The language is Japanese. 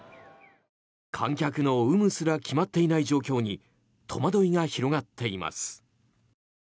観客の有無すら決まっていない状況に戸惑いが広がっています。